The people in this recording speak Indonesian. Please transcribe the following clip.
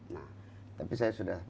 nah tapi saya sudah